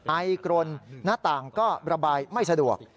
ไอกรนหน้าต่างก็ระบายไม่สะดวก